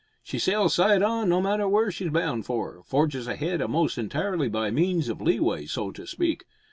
She sails side on, no matter where she's bound for. Forges ahead a'most entirely by means of leeway, so to speak.